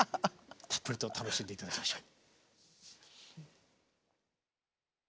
たっぷりと楽しんで頂きましょう。